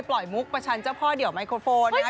มุกประชันเจ้าพ่อเดี่ยวไมโครโฟนนะคะ